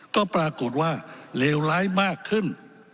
ก็ปรากฏว่าเลวร้ายมากขึ้น